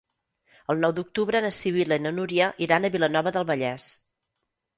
El nou d'octubre na Sibil·la i na Núria iran a Vilanova del Vallès.